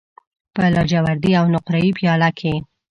په لاجوردی او نقره یې پیاله کې